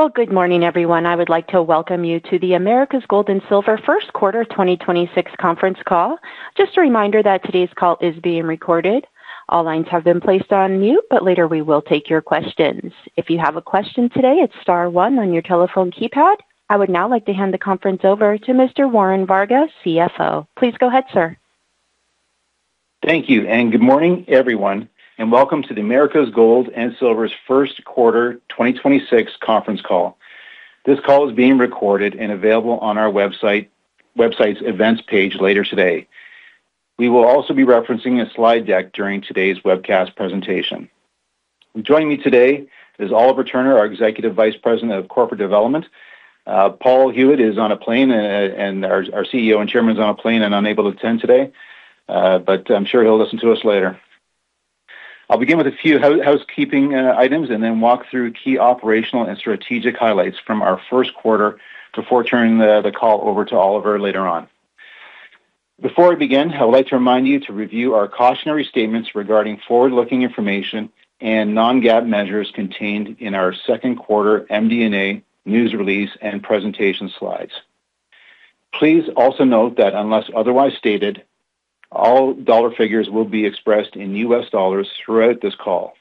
Well, good morning, everyone. I would like to welcome you to the Americas Gold and Silver 1st quarter 2026 conference call. Just a reminder that today's call is being recorded. All lines have been placed on mute, but later we will take your questions. If you have a question today, it's star one on your telephone keypad. I would now like to hand the conference over to Mr. Warren Varga, CFO. Please go ahead, sir. Thank you, and good morning, everyone, and welcome to the Americas Gold and Silver's first quarter 2026 conference call. This call is being recorded and available on our website's Events page later today. We will also be referencing a slide deck during today's webcast presentation. Joining me today is Oliver Turner, our Executive Vice President of Corporate Development. Paul Huet, our CEO and Chairman, is on a plane and unable to attend today, but I'm sure he'll listen to us later. I'll begin with a few housekeeping items and then walk through key operational and strategic highlights from our first quarter before turning the call over to Oliver later on. Before we begin, I'd like to remind you to review our cautionary statements regarding forward-looking information and non-GAAP measures contained in our 2nd quarter MD&A news release and presentation slides. Please also note that unless otherwise stated, all dollar figures will be expressed in US dollars throughout this call.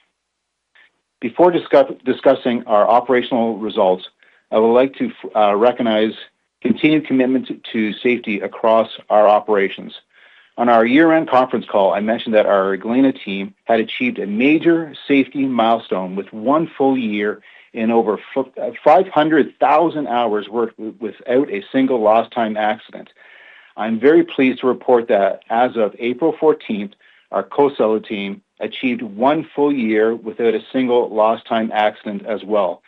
Before discussing our operational results, I would like to recognize continued commitment to safety across our operations. On our year-end conference call, I mentioned that our Galena team had achieved a major safety milestone with one full year and over 500,000 hours worked without a single lost time accident. I'm very pleased to report that as of April 14th, our Cosalá team achieved one full year without a single lost time accident as well.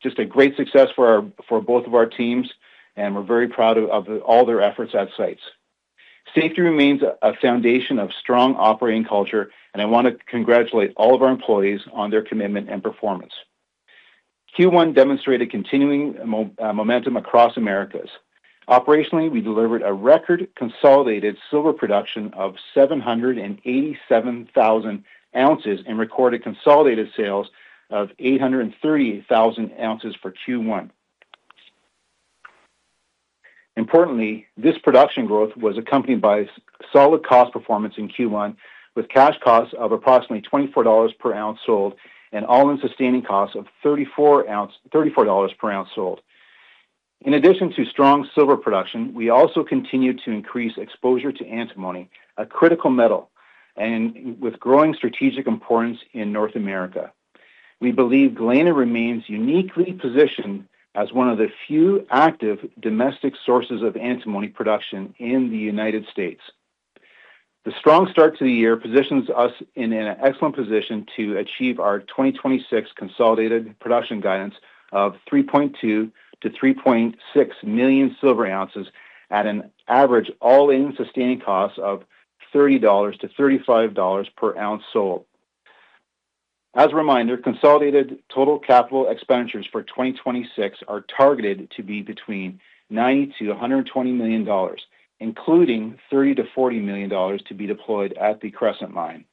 Just a great success for both of our teams, we're very proud of all their efforts at sites. Safety remains a foundation of strong operating culture, I want to congratulate all of our employees on their commitment and performance. Q1 demonstrated continuing momentum across Americas. Operationally, we delivered a record consolidated silver production of 787,000 ounces and recorded consolidated sales of 830,000 ounces for Q1. Importantly, this production growth was accompanied by solid cost performance in Q1 with cash costs of approximately $24 per ounce sold and all-in sustaining costs of $34 per ounce sold. In addition to strong silver production, we also continued to increase exposure to antimony, a critical metal and with growing strategic importance in North America. We believe Galena remains uniquely positioned as one of the few active domestic sources of antimony production in the United States. The strong start to the year positions us in an excellent position to achieve our 2026 consolidated production guidance of 3.2 million-3.6 million silver ounces at an average all-in sustaining cost of $30-$35 per ounce sold. As a reminder, consolidated total capital expenditures for 2026 are targeted to be between $90 million and $120 million, including $30 million-$40 million to be deployed at the Crescent Mine.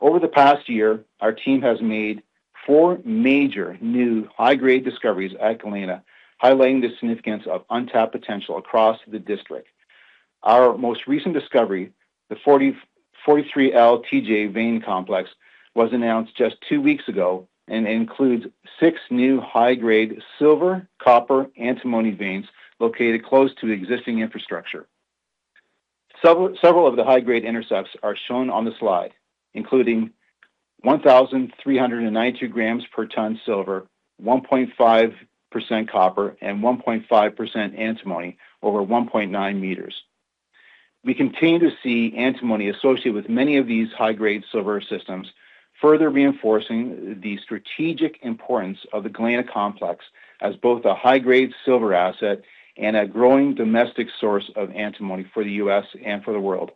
Over the past year, our team has made four major new high-grade discoveries at Galena, highlighting the significance of untapped potential across the district. Our most recent discovery, the 43L-TJ Vein Complex, was announced just two weeks ago and includes six new high-grade silver, copper, antimony veins located close to the existing infrastructure. Several of the high-grade intercepts are shown on the slide, including 1,392 grams per ton silver, 1.5% copper, and 1.5% antimony over 1.9 meters. We continue to see antimony associated with many of these high-grade silver systems, further reinforcing the strategic importance of the Galena Complex as both a high-grade silver asset and a growing domestic source of antimony for the U.S. and for the world.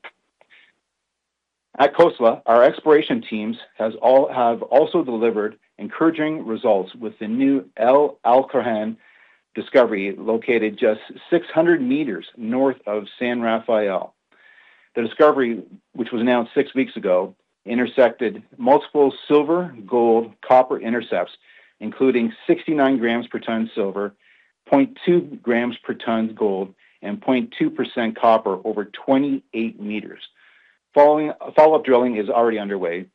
At Cosalá, our exploration teams have also delivered encouraging results with the new El Alacrán discovery, located just 600 meters north of San Rafael. The discovery, which was announced six weeks ago, intersected multiple silver, gold, copper intercepts, including 69 grams per ton silver, 0.2 grams per ton gold, and 0.2% copper over 28 meters. Follow-up drilling is already underway.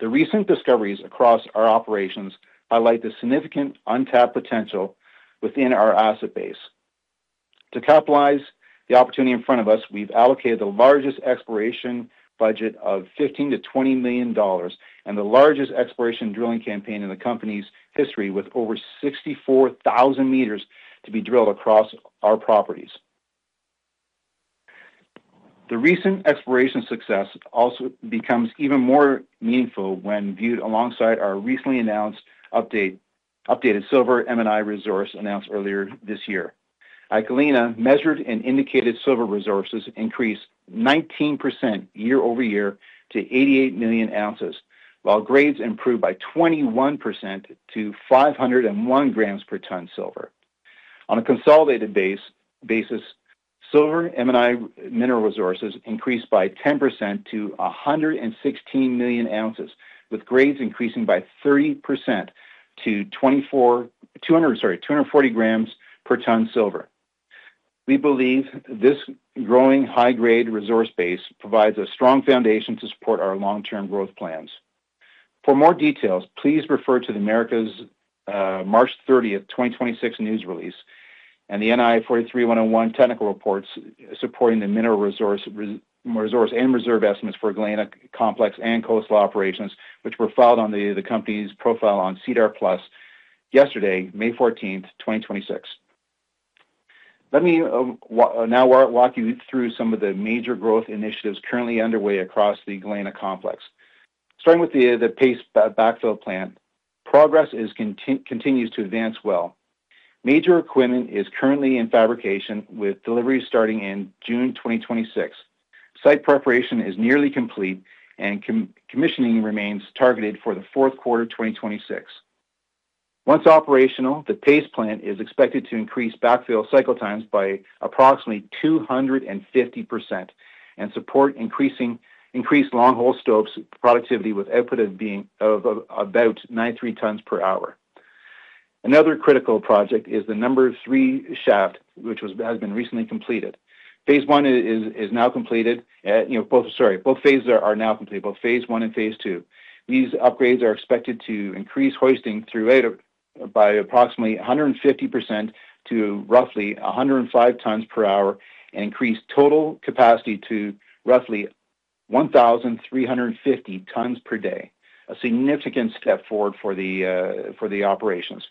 The recent discoveries across our operations highlight the significant untapped potential within our asset base. To capitalize the opportunity in front of us, we've allocated the largest exploration budget of $15 million-$20 million and the largest exploration drilling campaign in the company's history, with over 64,000 meters to be drilled across our properties. The recent exploration success also becomes even more meaningful when viewed alongside our recently announced updated silver M&I resource announced earlier this year. At Galena, measured and indicated silver resources increased 19% year-over-year to 88 million ounces, while grades improved by 21% to 501 grams per ton silver. On a consolidated basis, silver M&I mineral resources increased by 10% to 116 million ounces, with grades increasing by 30% to 240 grams per ton silver. We believe this growing high-grade resource base provides a strong foundation to support our long-term growth plans. For more details, please refer to the Americas March thirtieth, 2026 news release and the NI 43-101 technical reports supporting the mineral resource and reserve estimates for Galena Complex and Cosalá Operations, which were filed on the company's profile on SEDAR+ yesterday, May 14th, 2026. Let me now walk you through some of the major growth initiatives currently underway across the Galena Complex. Starting with the Paste Backfill Plant. Progress continues to advance well. Major equipment is currently in fabrication, with delivery starting in June 2026. Site preparation is nearly complete, and commissioning remains targeted for the fourth quarter 2026. Once operational, the Paste Plant is expected to increase backfill cycle times by approximately 250% and support increased long-haul stopes productivity with output of about 93 tons per hour. Another critical project is the number three shaft, which has been recently completed. Phase I is now completed. You know, both phases are now complete, both Phase I and Phase II. These upgrades are expected to increase hoisting through rate of by approximately 150% to roughly 105 tons per hour and increase total capacity to roughly 1,350 tons per day, a significant step forward for the for the operations.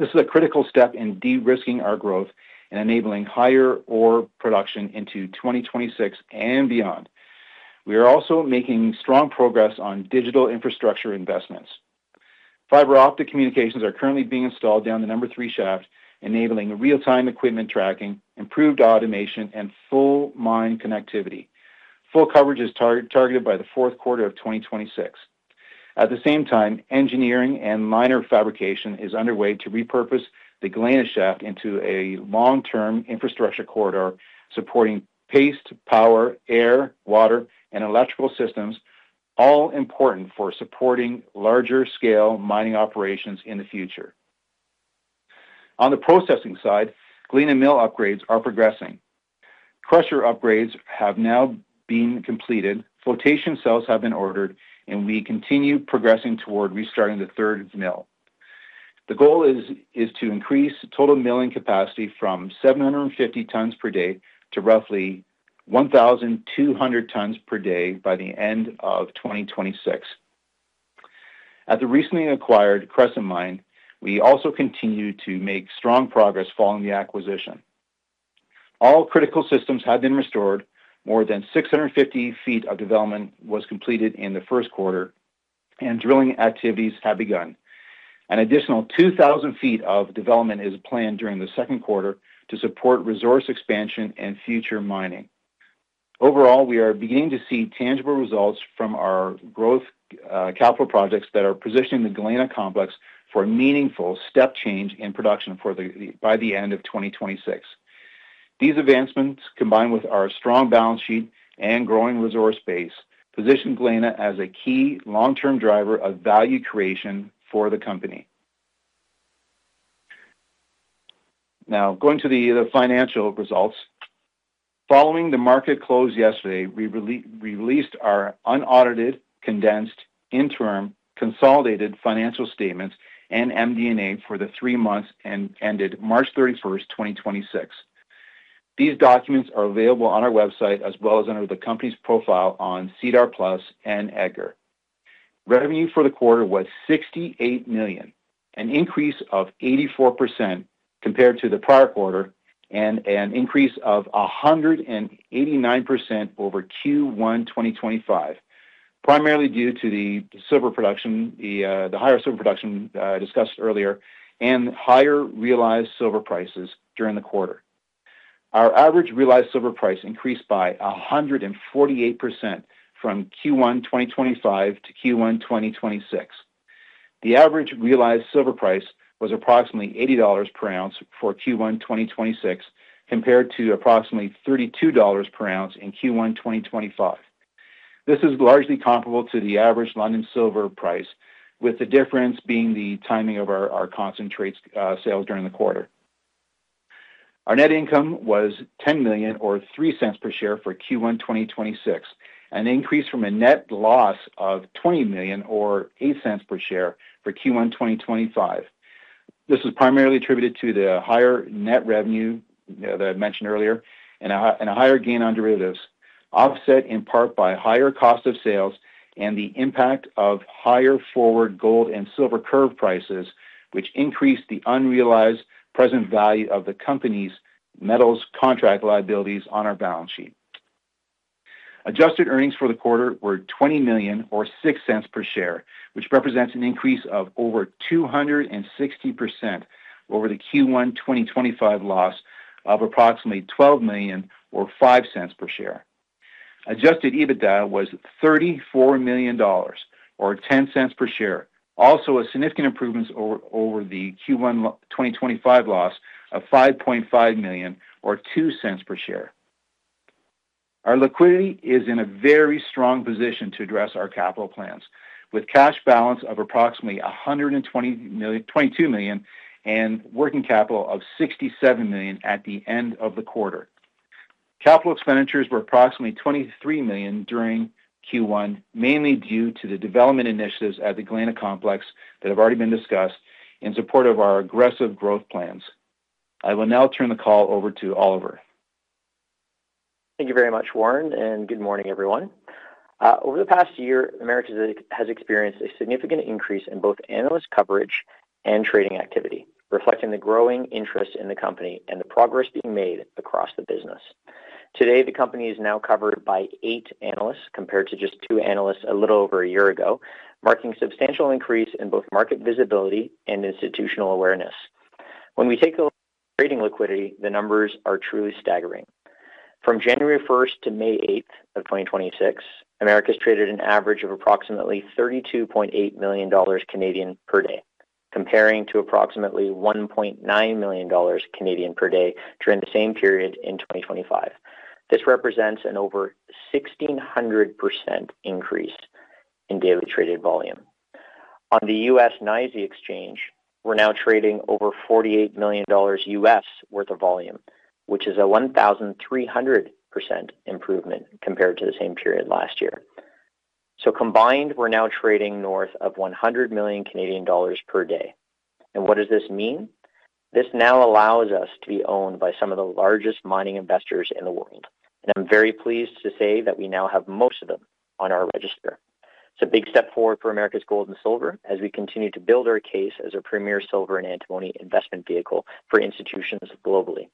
This is a critical step in de-risking our growth and enabling higher ore production into 2026 and beyond. We are also making strong progress on digital infrastructure investments. Fiber optic communications are currently being installed down the number three shaft, enabling real-time equipment tracking, improved automation, and full mine connectivity. Full coverage is targeted by the fourth quarter of 2026. At the same time, engineering and miner fabrication is underway to repurpose the Galena shaft into a long-term infrastructure corridor supporting paste, power, air, water, and electrical systems, all important for supporting larger scale mining operations in the future. On the processing side, Galena mill upgrades are progressing. Crusher upgrades have now been completed, flotation cells have been ordered. We continue progressing toward restarting the third mill. The goal is to increase total milling capacity from 750 tons per day to roughly 1,200 tons per day by the end of 2026. At the recently acquired Crescent Mine, we also continue to make strong progress following the acquisition. All critical systems have been restored. More than 650 feet of development was completed in the first quarter. Drilling activities have begun. An additional 2,000 feet of development is planned during the 2nd quarter to support resource expansion and future mining. Overall, we are beginning to see tangible results from our growth capital projects that are positioning the Galena Complex for a meaningful step change in production by the end of 2026. These advancements, combined with our strong balance sheet and growing resource base, position Galena as a key long-term driver of value creation for the company. Now, going to the financial results. Following the market close yesterday, we released our unaudited, condensed interim consolidated financial statements and MD&A for the three months ended March 31st, 2026. These documents are available on our website as well as under the company's profile on SEDAR+ and EDGAR. Revenue for the quarter was $68 million, an increase of 84% compared to the prior quarter and an increase of 189% over Q1 2025, primarily due to the silver production, the higher silver production discussed earlier and higher realized silver prices during the quarter. Our average realized silver price increased by 148% from Q1 2025 to Q1 2026. The average realized silver price was approximately $80 per ounce for Q1 2026, compared to approximately $32 per ounce in Q1 2025. This is largely comparable to the average London silver price, with the difference being the timing of our concentrates sales during the quarter. Our net income was $10 million or $0.03 per share for Q1 2026, an increase from a net loss of $20 million or $0.08 per share for Q1 2025. This is primarily attributed to the higher net revenue that I mentioned earlier and a higher gain on derivatives, offset in part by higher cost of sales and the impact of higher forward gold and silver curve prices, which increased the unrealized present value of the company's metals contract liabilities on our balance sheet. Adjusted earnings for the quarter were $20 million or $0.06 per share, which represents an increase of over 260% over the Q1 2025 loss of approximately $12 million or $0.05 per share. Adjusted EBITDA was $34 million or $0.10 per share. A significant improvements over the Q1 2025 loss of $5.5 million or $0.02 per share. Our liquidity is in a very strong position to address our capital plans, with cash balance of approximately $122 million and working capital of $67 million at the end of the quarter. Capital expenditures were approximately $23 million during Q1, mainly due to the development initiatives at the Galena Complex that have already been discussed in support of our aggressive growth plans. I will now turn the call over to Oliver. Thank you very much, Warren, good morning, everyone. Over the past year, Americas has experienced a significant increase in both analyst coverage and trading activity, reflecting the growing interest in the company and the progress being made across the business. Today, the company is now covered by eight analysts, compared to just two analysts a little over a year ago, marking substantial increase in both market visibility and institutional awareness. When we take a look at trading liquidity, the numbers are truly staggering. From January 1st to May 8th of 2026, Americas traded an average of approximately 32.8 million Canadian dollars per day, comparing to approximately 1.9 million Canadian dollars per day during the same period in 2025. This represents an over 1,600% increase in daily traded volume. On the U.S. NYSE exchange, we're now trading over $48 million U.S. worth of volume, which is a 1,300% improvement compared to the same period last year. Combined, we're now trading north of 100 million Canadian dollars per day. What does this mean? This now allows us to be owned by some of the largest mining investors in the world. I'm very pleased to say that we now have most of them on our register. It's a big step forward for Americas Gold and Silver as we continue to build our case as a premier silver and antimony investment vehicle for institutions globally.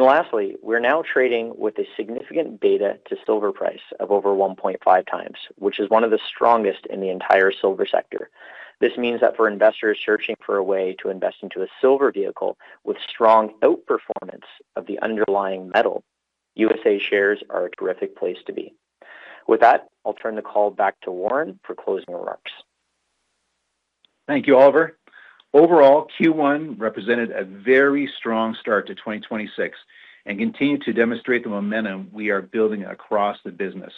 Lastly, we're now trading with a significant beta to silver price of over 1.5 times, which is one of the strongest in the entire silver sector. This means that for investors searching for a way to invest into a silver vehicle with strong outperformance of the underlying metal, USA shares are a terrific place to be. With that, I'll turn the call back to Warren for closing remarks. Thank you, Oliver. Overall, Q1 represented a very strong start to 2026 and continued to demonstrate the momentum we are building across the business.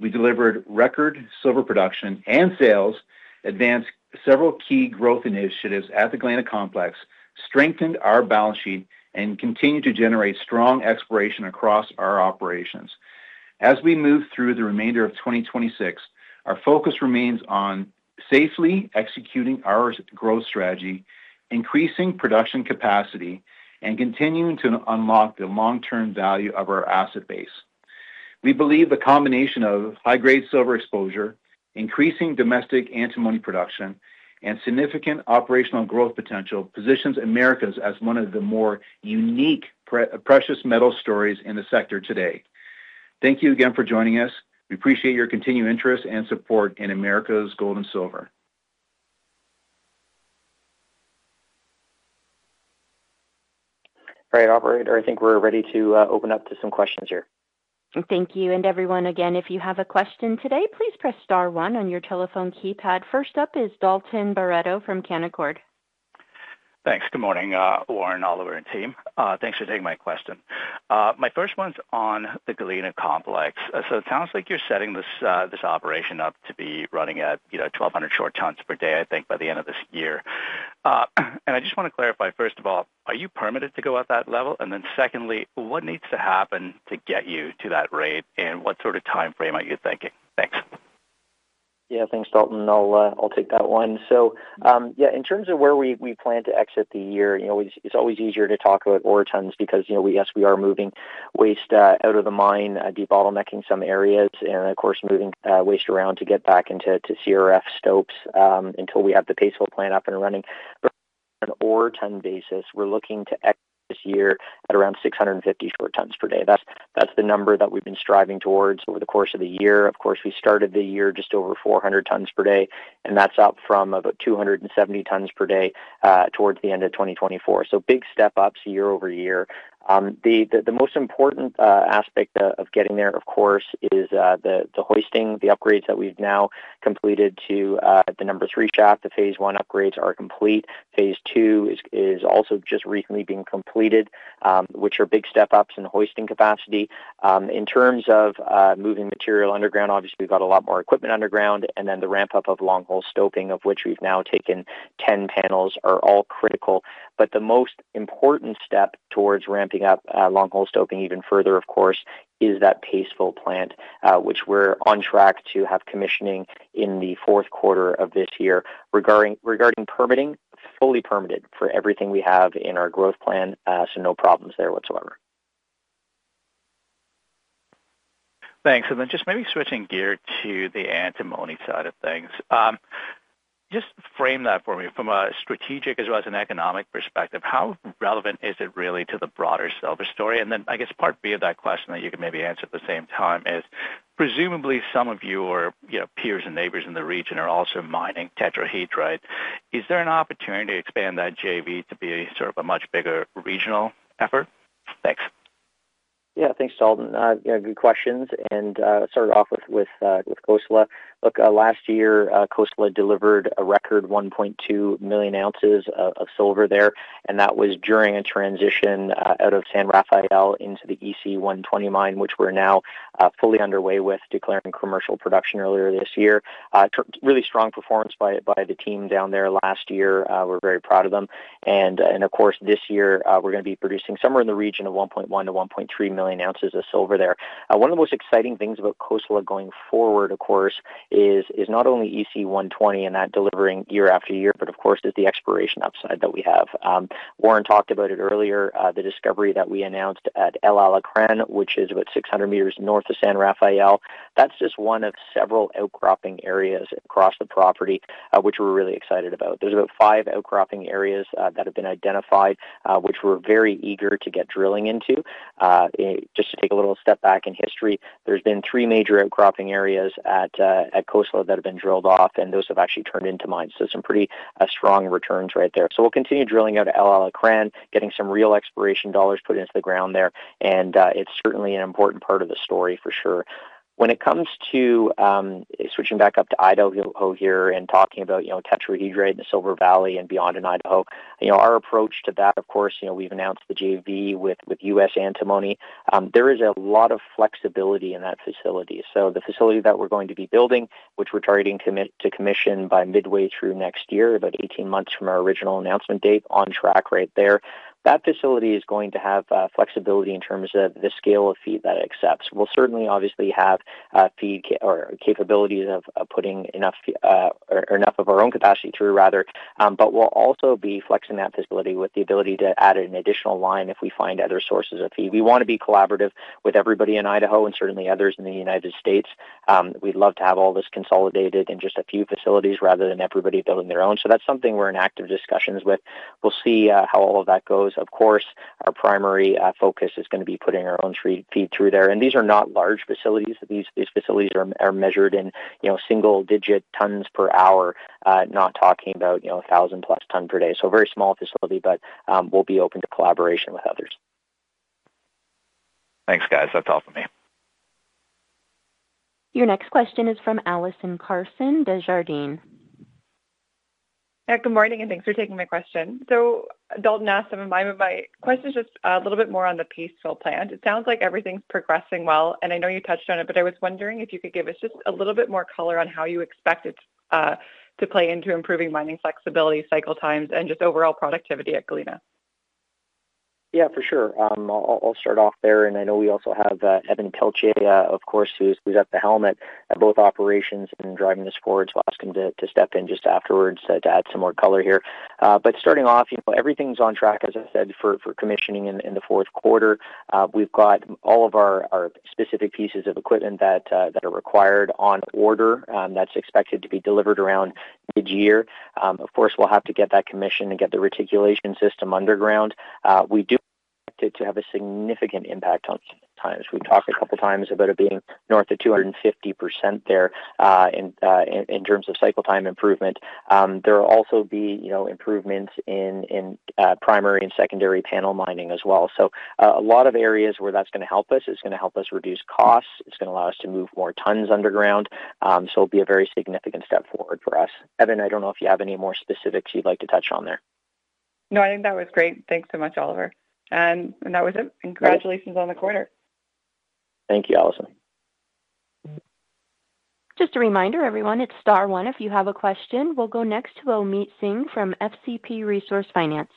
We delivered record silver production and sales, advanced several key growth initiatives at the Galena Complex, strengthened our balance sheet, and continued to generate strong exploration across our operations. As we move through the remainder of 2026, our focus remains on safely executing our growth strategy, increasing production capacity, and continuing to unlock the long-term value of our asset base. We believe the combination of high-grade silver exposure, increasing domestic antimony production, and significant operational growth potential positions Americas as one of the more unique precious metal stories in the sector today. Thank you again for joining us. We appreciate your continued interest and support in Americas Gold and Silver. All right, operator, I think we're ready to open up to some questions here. Thank you. Everyone, again, if you have a question today, please press star one on your telephone keypad. First up is Dalton Baretto from Canaccord. Thanks. Good morning, Warren, Oliver, and team. Thanks for taking my question. My first one's on the Galena Complex. It sounds like you're setting this operation up to be running at, you know, 1,200 short tons per day, I think, by the end of this year. I just want to clarify, first of all, are you permitted to go at that level? Secondly, what needs to happen to get you to that rate? What sort of timeframe are you thinking? Thanks. Thanks, Dalton. I'll take that one. In terms of where we plan to exit the year, it's always easier to talk about ore tons because, yes, we are moving waste out of the mine, debottlenecking some areas and, of course, moving waste around to get back into CRF stopes until we have the Paste Fill plant up and running. On an ore ton basis, we're looking to exit this year at around 650 short tons per day. That's the number that we've been striving towards over the course of the year. Of course, we started the year just over 400 tons per day, and that's up from about 270 tons per day towards the end of 2024. Big step-ups year-over-year. The most important aspect of getting there, of course, is the hoisting, the upgrades that we've now completed to the number three shaft. The phase I upgrades are complete. Phase II is also just recently being completed, which are big step-ups in hoisting capacity. In terms of moving material underground, obviously, we've got a lot more equipment underground, and then the ramp-up of long-hole stoping, of which we've now taken 10 panels are all critical. The most important step towards ramping up long-hole stoping even further, of course, is that Paste Fill plant, which we're on track to have commissioning in Q4 of this year. Regarding permitting, fully permitted for everything we have in our growth plan, no problems there whatsoever. Thanks. Then just maybe switching gear to the antimony side of things. Just frame that for me from a strategic as well as an economic perspective. How relevant is it really to the broader silver story? Then I guess part B of that question that you could maybe answer at the same time is. Presumably some of your, you know, peers and neighbors in the region are also mining tetrahedrite. Is there an opportunity to expand that JV to be sort of a much bigger regional effort? Thanks. Thanks, Dalton. good questions. Start off with Cosalá. Last year, Cosalá delivered a record 1.2 million ounces of silver there, and that was during a transition out of San Rafael into the EC120 mine, which we're now fully underway with declaring commercial production earlier this year. Really strong performance by the team down there last year. We're very proud of them. Of course, this year, we're gonna be producing somewhere in the region of 1.1 million-1.3 million ounces of silver there. One of the most exciting things about Cosalá going forward, of course, is not only EC120 and that delivering year after year, but of course, is the exploration upside that we have. Warren talked about it earlier, the discovery that we announced at El Alacrán, which is about 600 meters north of San Rafael. That's just one of several outcropping areas across the property, which we're really excited about. There's about five outcropping areas that have been identified, which we're very eager to get drilling into. Just to take a little step back in history, there's been three major outcropping areas at Cosalá that have been drilled off, and those have actually turned into mines. Some pretty strong returns right there. We'll continue drilling out El Alacrán, getting some real exploration dollars put into the ground there, and it's certainly an important part of the story for sure. When it comes to, switching back up to Idaho here and talking about, you know, tetrahedrite and the Silver Valley and beyond in Idaho, you know, our approach to that, of course, you know, we've announced the JV with US Antimony. There is a lot of flexibility in that facility. The facility that we're going to be building, which we're targeting to commission by midway through next year, about 18 months from our original announcement date, on track right there. That facility is going to have flexibility in terms of the scale of feed that it accepts. We'll certainly obviously have feed or capabilities of putting enough of our own capacity through rather. We'll also be flexing that facility with the ability to add an additional line if we find other sources of feed. We wanna be collaborative with everybody in Idaho and certainly others in the United States. We'd love to have all this consolidated in just a few facilities rather than everybody building their own. That's something we're in active discussions with. We'll see how all of that goes. Of course, our primary focus is gonna be putting our own feed through there. These are not large facilities. These facilities are measured in, you know, single digit tons per hour. Not talking about, you know, 1,000 plus ton per day. Very small facility, but we'll be open to collaboration with others. Thanks, guys. That's all for me. Your next question is from Allison Carson, Desjardins. Good morning, thanks for taking my question. Dalton asked, I'm reminded, my question is just a little bit more on the Paste Fill plant. It sounds like everything's progressing well. I know you touched on it, but I was wondering if you could give us just a little bit more color on how you expect it to play into improving mining flexibility, cycle times, and just overall productivity at Galena. Yeah, for sure. I'll start off there. I know we also have Evan Pilcher, of course, who's at the helmet at both operations and driving this forward. I'll ask him to step in just afterwards to add some more color here. Starting off, you know, everything's on track, as I said, for commissioning in the fourth quarter. We've got all of our specific pieces of equipment that are required on order, that's expected to be delivered around mid-year. Of course, we'll have to get that commissioned and get the reticulation system underground. We do expect it to have a significant impact on cycle times. We've talked a couple times about it being north of 250% there, in terms of cycle time improvement. There will also be, you know, improvements in primary and secondary panel mining as well. A lot of areas where that's gonna help us. It's gonna help us reduce costs. It's gonna allow us to move more tons underground. It'll be a very significant step forward for us. Evan, I don't know if you have any more specifics you'd like to touch on there? No, I think that was great. Thanks so much, Oliver. That was it. Congratulations on the quarter. Thank you, Allison. Just a reminder, everyone, it is star one if you have a question. We will go next to Omeet Singh from SCP Resource Finance.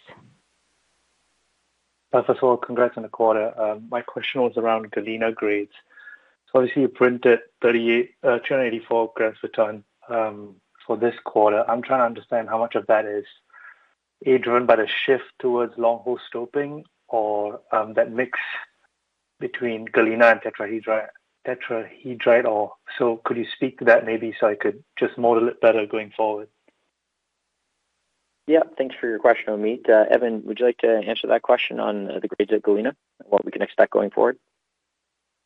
First of all, congrats on the quarter. My question was around Galena grades. Obviously you printed 38,284 grams per ton for this quarter. I'm trying to understand how much of that is either driven by the shift towards long-hole stoping or that mix between Galena and tetrahedrite ore. Could you speak to that maybe so I could just model it better going forward? Thanks for your question, Omeet. Evan, would you like to answer that question on the grades at Galena and what we can expect going forward?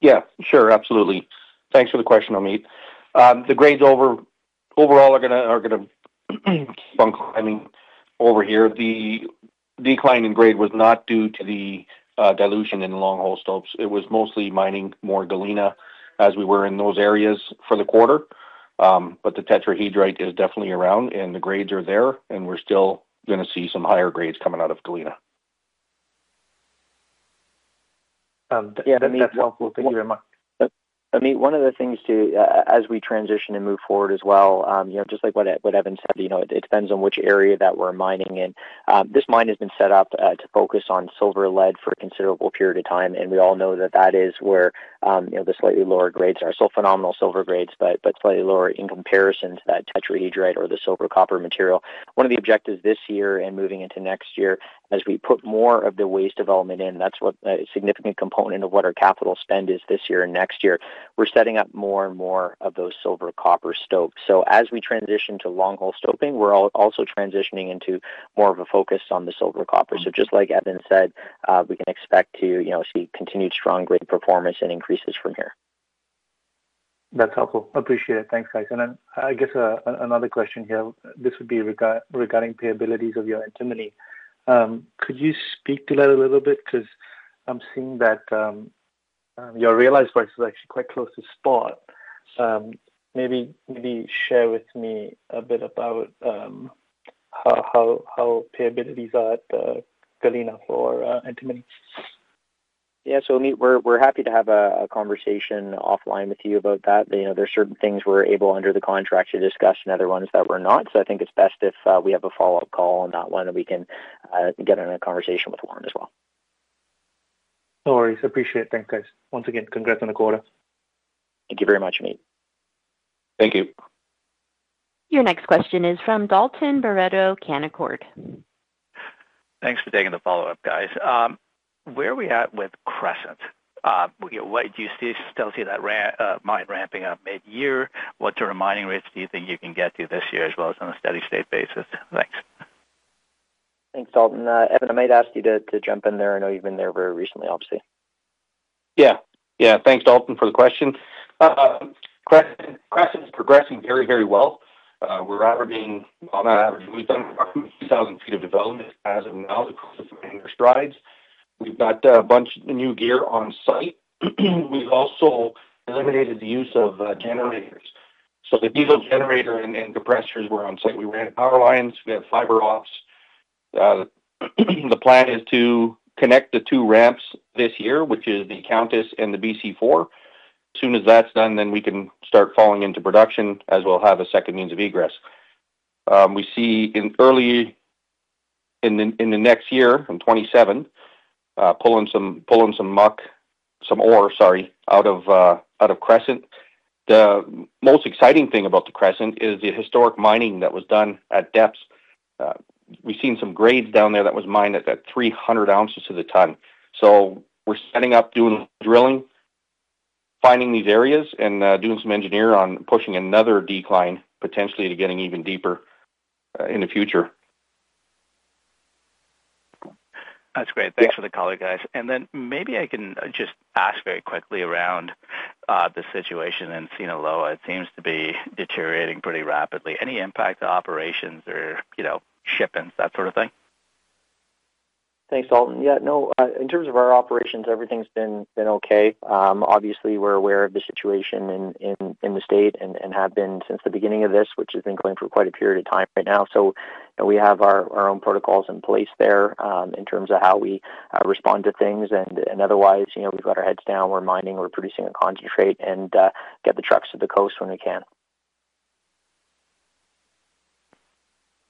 Yeah, sure. Absolutely. Thanks for the question, Omeet. The grades overall are gonna keep on climbing over here. The decline in grade was not due to the dilution in longhole stopes. It was mostly mining more Galena as we were in those areas for the quarter. The tetrahedrite is definitely around, and the grades are there, and we're still gonna see some higher grades coming out of Galena. Yeah, that's helpful. Thank you very much. Omeet, one of the things to, as we transition and move forward as well, you know, just like what Evan said, you know, it depends on which area that we're mining in. We all know that that is where, you know, the slightly lower grades are. Still phenomenal silver grades, but slightly lower in comparison to that tetrahedrite or the silver copper material. One of the objectives this year and moving into next year, as we put more of the waste development in, that's what a significant component of what our capital spend is this year and next year. We're setting up more and more of those silver copper stopes. As we transition to longhole stoping, we're also transitioning into more of a focus on the silver copper. Just like Evan said, we can expect to, you know, see continued strong grade performance and increases from here. That's helpful. Appreciate it. Thanks, guys. I guess another question here, this would be regarding payabilities of your antimony. Could you speak to that a little bit? Cause I'm seeing that your realized price is actually quite close to spot. Maybe share with me a bit about how payabilities are at Galena for antimony. Yeah. Omeet, we're happy to have a conversation offline with you about that. You know, there are certain things we're able under the contract to discuss and other ones that we're not. I think it's best if we have a follow-up call on that one, and we can get in a conversation with Warren as well. No worries. Appreciate it. Thanks, guys. Once again, congrats on the quarter. Thank you very much, Omeet. Thank you. Your next question is from Dalton Baretto, Canaccord. Thanks for taking the follow-up, guys. Where are we at with Crescent? You know, still see that mine ramping up mid-year? What sort of mining rates do you think you can get to this year as well as on a steady state basis? Thanks. Thanks, Dalton. Evan, I might ask you to jump in there. I know you've been there very recently, obviously. Yeah. Yeah. Thanks, Dalton, for the question. Crescent is progressing very, very well. On average, we've done about 2,000 feet of development as of now. The crew is making strides. We've got a bunch of new gear on site. We've also eliminated the use of generators. The diesel generator and compressors were on site. We ran power lines. We have fiber ops. The plan is to connect the two ramps this year, which is the Countess and the BC4. As soon as that's done, then we can start falling into production, as we'll have a second means of egress. We see in the next year, in 2027, pulling some muck, some ore, sorry, out of Crescent. The most exciting thing about the Crescent is the historic mining that was done at depths. We've seen some grades down there that was mined at 300 ounces to the ton. We're setting up doing drilling, finding these areas, and doing some engineer on pushing another decline potentially to getting even deeper in the future. That's great. Thanks for the call, guys. Maybe I can just ask very quickly around the situation in Sinaloa. It seems to be deteriorating pretty rapidly. Any impact to operations or, you know, shipments, that sort of thing? Thanks, Dalton. Yeah, no, in terms of our operations, everything's been okay. Obviously we're aware of the situation in the state and have been since the beginning of this, which has been going for quite a period of time right now. You know, we have our own protocols in place there, in terms of how we respond to things. Otherwise, you know, we've got our heads down. We're mining, we're producing a concentrate, and get the trucks to the coast when we can.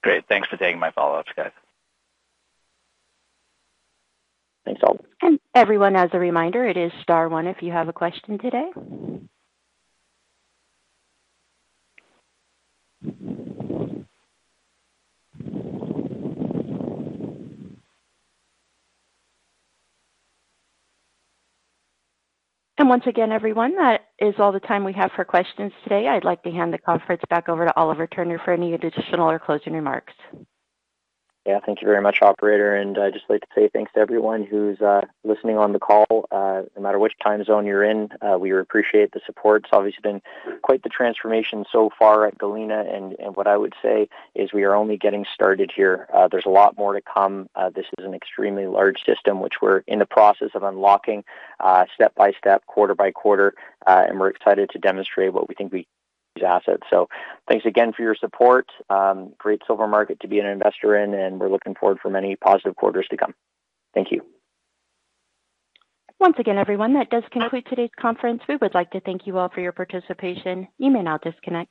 Great. Thanks for taking my follow-ups, guys. Thanks, Dalton. Everyone, as a reminder, it is star one if you have a question today. Once again, everyone, that is all the time we have for questions today. I'd like to hand the conference back over to Oliver Turner for any additional or closing remarks. Thank you very much, operator. I'd just like to say thanks to everyone who's listening on the call. No matter which time zone you're in, we appreciate the support. It's obviously been quite the transformation so far at Galena, and what I would say is we are only getting started here. There's a lot more to come. This is an extremely large system which we're in the process of unlocking, step-by-step, quarter-by-quarter, and we're excited to demonstrate what we think with these assets. Thanks again for your support. Great silver market to be an investor in, and we're looking forward for many positive quarters to come. Thank you. Once again, everyone, that does conclude today's conference. We would like to thank you all for your participation. You may now disconnect.